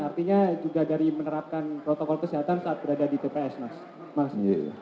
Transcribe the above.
artinya juga dari menerapkan protokol kesehatan saat berada di tps mas